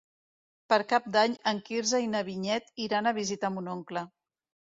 Per Cap d'Any en Quirze i na Vinyet iran a visitar mon oncle.